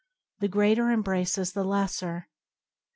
The greater embraces the lesser.